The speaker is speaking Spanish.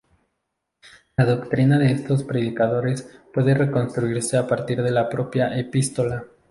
La doctrina de estos predicadores puede reconstruirse a partir de la propia epístola.